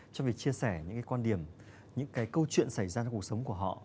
trong việc chia sẻ những quan điểm những câu chuyện xảy ra trong cuộc sống của họ